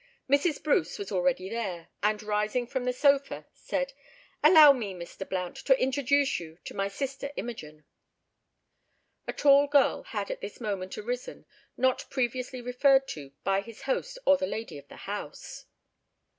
Mrs. Bruce was already there, and, rising from a sofa, said— "Allow me, Mr. Blount, to introduce you to my sister Imogen." A tall girl had at this moment arisen, not previously referred to by his host or the lady of the house.